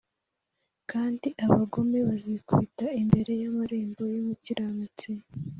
kandi abagome bazikubita imbere y amarembo y umukiranutsi